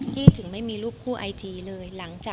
กี้ถึงไม่มีรูปคู่ไอจีเลย